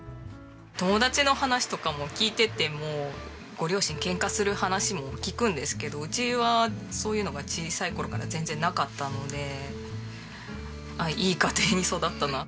友達の話とか聞いててもご両親ケンカする話も聞くんですけどうちはそういうのが小さい頃から全然なかったのでいい家庭に育ったな。